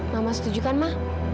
mama setujukan ma